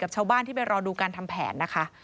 ชาวบ้านที่ไปรอดูการทำแผนนะคะ